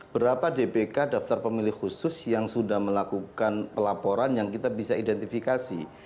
berapa dpk daftar pemilih khusus yang sudah melakukan pelaporan yang kita bisa identifikasi